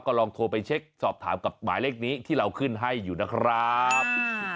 ก็ลองโทรไปเช็คสอบถามกับหมายเลขนี้ที่เราขึ้นให้อยู่นะครับ